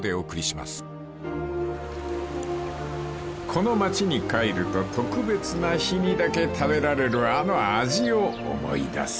［この町に帰ると特別な日にだけ食べられるあの味を思い出す］